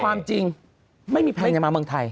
เอาความจริงไม่มีแผ่งในเมืองไทย